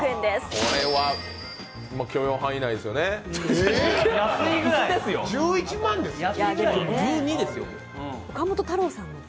これは許容範囲内ですよね？